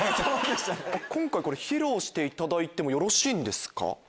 今回披露していただいてもよろしいんですか？